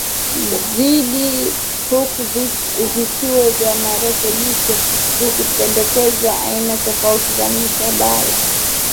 zaidi huku vituo vya marekebisho vikipendekeza aina tofauti za mikabala